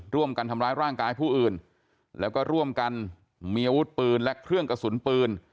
ร่วมกันทำร้ายร่างกายผู้อื่นแล้วก็ร่วมกันมีอาวุธปืนและเครื่องกระสุนปืน